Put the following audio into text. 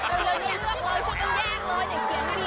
ช่วยกันแย่งเลย